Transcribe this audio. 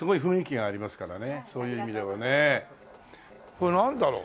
これなんだろう？